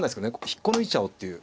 引っこ抜いちゃおうっていう。